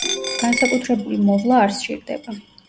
განსაკუთრებული მოვლა არ სჭირდება.